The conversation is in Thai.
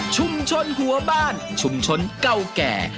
ชุมชนหัวบ้านชุมชนเก่าแก่